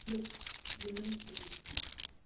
Look, you may fail!..